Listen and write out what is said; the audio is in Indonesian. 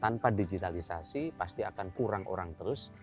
tanpa digitalisasi pasti akan kurang orang terus